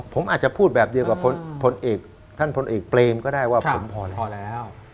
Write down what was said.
ผมอาจจะพูดแบบเดียวกับพลเอกท่านพลเอกเปรมก็ได้ว่าผมพอแล้ว